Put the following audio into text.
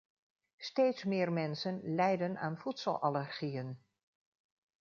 Steeds meer mensen lijden aan voedselallergieën.